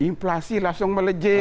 inflasi langsung melejit